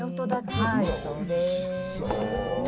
おいしそう。